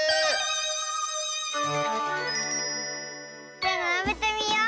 じゃならべてみよう。